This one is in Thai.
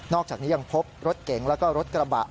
อกจากนี้ยังพบรถเก๋งแล้วก็รถกระบะ